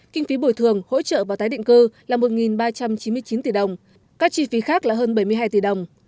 kinh phí bồi thường hỗ trợ và tái định cư là một ba trăm chín mươi chín tỷ đồng các chi phí khác là hơn bảy mươi hai tỷ đồng